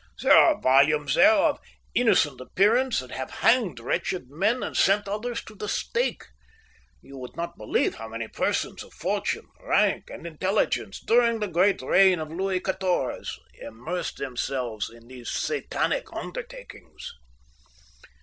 There are volumes there of innocent appearance that have hanged wretched men and sent others to the stake. You would not believe how many persons of fortune, rank, and intelligence, during the great reign of Louis XIV, immersed themselves in these satanic undertakings."